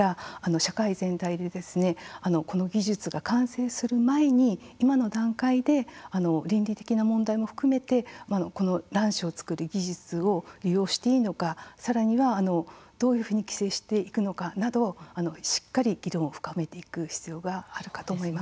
ですから技術が完成するまで社会全体で今の段階で倫理的な問題も含めてこの卵子を作る技術を利用していいのかさらにはどういうふうに規制していくのかなどしっかり議論を深めていく必要があるかと思います。